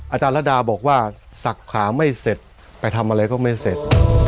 อาจารย์ระดาบอกว่าสักขาไม่เสร็จไปทำอะไรก็ไม่เสร็จ